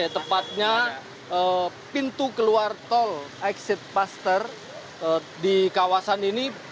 tepatnya pintu keluar tol exit paster di kawasan ini